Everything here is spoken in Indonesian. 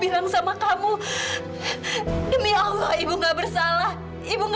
kenapa kamu tiba tiba seperti ini ndre